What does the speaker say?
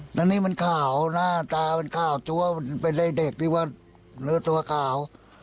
หน้านี้มันข่าวหน้าตามันข่าวตัวเป็นแดงถึงว่าเหลือตัวข่าว